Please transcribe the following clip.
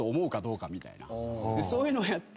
そういうのをやって。